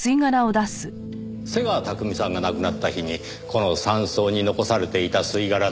瀬川巧さんが亡くなった日にこの山荘に残されていた吸い殻です。